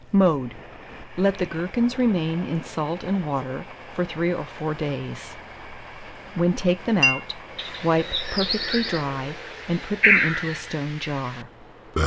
Mode. Let the gherkins remain in salt and water for 3 or 4 days, when take them out, wipe perfectly dry, and put them into a stone jar.